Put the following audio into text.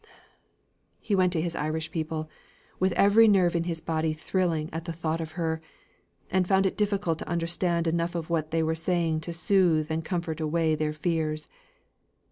He went to his Irish people, with every nerve in his body thrilling at the thought of her, and found it difficult to understand enough of what they were saying to soothe and comfort away their fears.